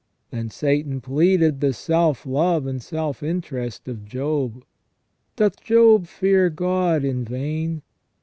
Then Satan pleaded the self love and self interest of Job. " Doth Job fear God in vain